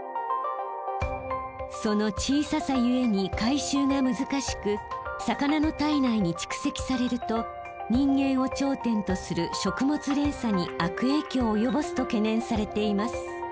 その小ささゆえに回収が難しく魚の体内に蓄積されると人間を頂点とする食物連鎖に悪影響を及ぼすと懸念されています。